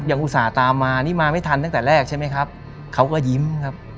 อุตส่าห์ตามมานี่มาไม่ทันตั้งแต่แรกใช่ไหมครับเขาก็ยิ้มครับ